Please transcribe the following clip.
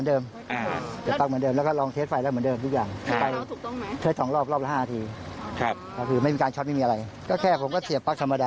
ในสถานที่ประสบการณ์อาชีพช่างไฟพี่ยืนยันหรือว่าพี่ไม่ได้ทำงานพลาด